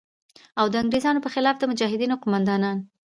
او د انگریزانو په خلاف د مجاهدینو قوماندان